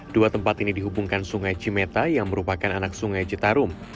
dua tempat ini dihubungkan sungai cimeta yang merupakan anak sungai citarum